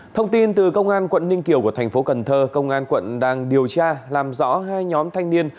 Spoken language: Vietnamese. thông tin từ công an quận ninh kiều của thành phố cần thơ công an quận đang điều tra làm rõ hai nhóm thanh niên